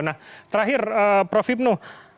nah terakhir prof hipno